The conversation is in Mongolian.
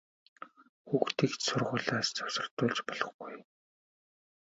Хүүхдийг ч сургуулиас завсардуулж болохгүй!